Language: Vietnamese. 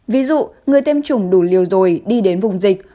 ví dụ người tiêm chủng đủ liều rồi đi đến vùng dịch